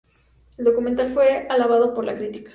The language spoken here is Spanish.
El documental fue alabado por la crítica.